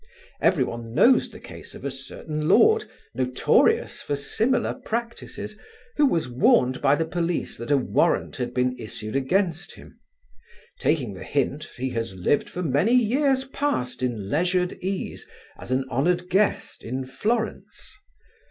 Everyone knows the case of a certain lord, notorious for similar practices, who was warned by the police that a warrant had been issued against him: taking the hint he has lived for many years past in leisured ease as an honoured guest in Florence.